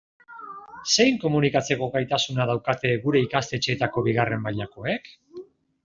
Zein komunikatzeko gaitasuna daukate gure ikastetxeetako bigarren mailakoek?